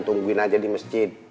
tungguin aja di masjid